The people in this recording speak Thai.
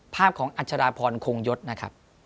ภาพของอัชราพรคงยศนะครับ